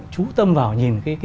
chú tâm vào nhìn